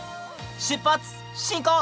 出発進行！